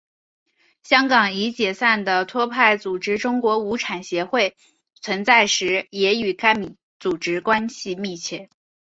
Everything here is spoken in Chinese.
香港已解散的托派组织中国无产者协会存在时也与该组织关系密切。